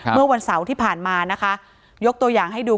เมื่อวันเสาร์ที่ผ่านมานะคะยกตัวอย่างให้ดู